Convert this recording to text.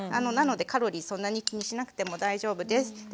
なのでカロリーそんなに気にしなくても大丈夫です。